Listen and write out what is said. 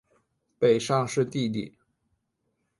北尚是弟弟。